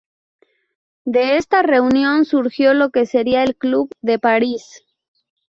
De esta reunión surgió lo que sería el Club de París.